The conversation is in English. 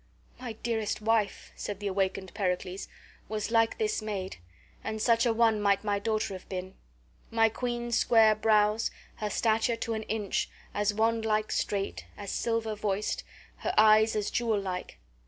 "My dearest wife," said the awakened Pericles, "was like this maid, and such a one might my daughter have been. My queen's square brows, her stature to an inch, as wand like straight, as silver voiced, her eyes as jewel like.